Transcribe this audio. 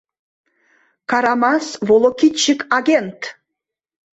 Карамас «волокитчик»-агент!